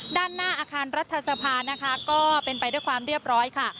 ด้านหน้าอาคารรัฐสภานะคะก็เป็นไปด้วยความเรียบร้อยค่ะ